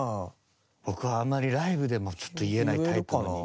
僕はあんまりライブでもちょっと言えないタイプの人間ですね。